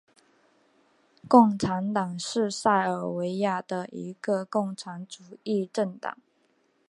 共产党是塞尔维亚的一个共产主义政党。